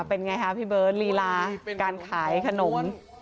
นี่ค่ะเป็นไงครับพี่เบิร์นรีลาการขายขนม